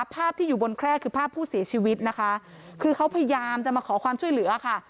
ภาพที่อยู่บนแคร่คือภาพผู้เสียชีวิตนะคะคือเขาพยายามจะมาขอความช่วยเหลือค่ะ